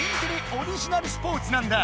オリジナルスポーツなんだ。